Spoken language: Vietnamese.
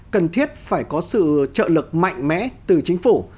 cần thiết phải có sự trợ lực mạnh mẽ từ chính phủ